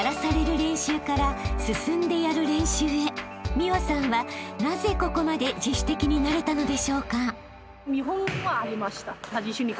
［美和さんはなぜここまで自主的になれたのでしょうか？］